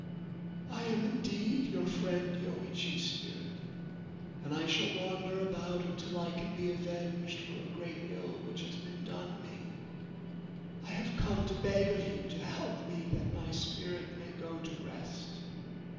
* I am indeed your friend Yoichi's spirit, and I shall wander about until I can be avenged for a great ill which has been done me. I have come to beg of you to help me, that my spirit may go to rest.